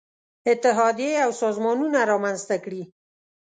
اتحادیې او سازمانونه رامنځته کړي.